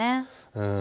うん。